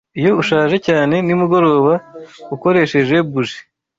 Iyo ushaje cyane nimugoroba ukoresheje buji